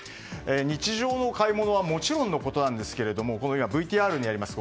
日常の買い物はもちろんのことＶＴＲにあります